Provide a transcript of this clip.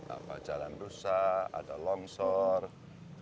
apa jalan rusa ada lorong